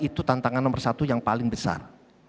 itu tantangan nomor satu yang paling besar